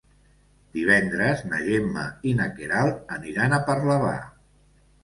Divendres na Gemma i na Queralt aniran a Parlavà.